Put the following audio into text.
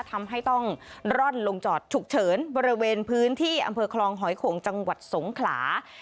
ทำให้ต้องร่อนลงจอดฉุกเฉินบริเวณพื้นที่อำเภอคลองหอยโขงจังหวัดสงขลา